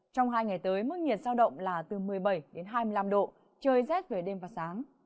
trong hai ngày tới mức nhiệt giao động là từ một mươi bảy đến hai mươi năm độ trời rét về đêm và sáng